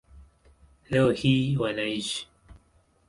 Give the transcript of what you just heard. Leo hii wanaishi